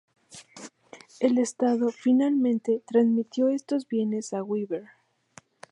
El Estado, finalmente, transmitió estos bienes a Weber.